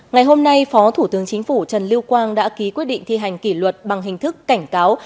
ngày hôm nay phó thủ tướng chính phủ trần lưu quang đã ký quyết định thi hành kỷ luật bằng hình thức cảnh cáo